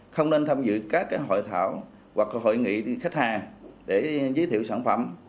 không nên tham dự các hội thảo hoặc hội nghị khách hàng để giới thiệu sản phẩm